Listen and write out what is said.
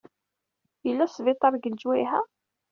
Yella sbiṭar deg leǧwayeh-a?